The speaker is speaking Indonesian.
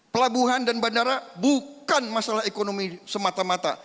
pelabuhan dan bandara bukan masalah ekonomi semata mata